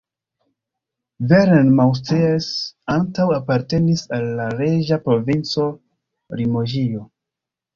Verneuil-Moustiers antaŭe apartenis al la reĝa provinco Limoĝio.